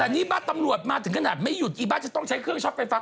แต่นี่บ้านตำรวจมาถึงขนาดไม่หยุดอีบ้าจะต้องใช้เครื่องช็อตไฟฟ้า